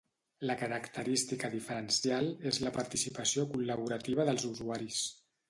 La característica diferencial és la participació col·laborativa dels usuaris.